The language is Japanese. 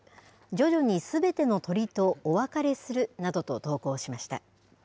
徐々にすべての鳥とお別れするなどと投稿しました。